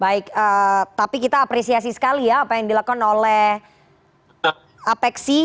baik tapi kita apresiasi sekali ya apa yang dilakukan oleh apexi